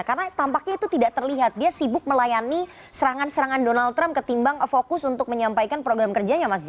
karena tampaknya itu tidak terlihat dia sibuk melayani serangan serangan donald trump ketimbang fokus untuk menyampaikan program kerjanya mas j